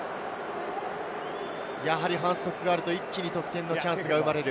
やはり反則があると一気に得点のチャンスが生まれる